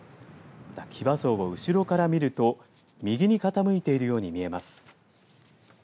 騎馬像を後ろから見ると右に傾いているように見えます。